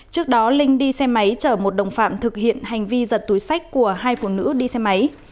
trước đó linh đi xe máy chở một đồng phạm thực hiện hành vi giật túi sách của hai phụ nữ đi xe máy